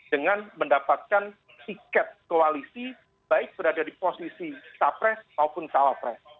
dengan mendapatkan tiket koalisi baik berada di posisi capres maupun cawapres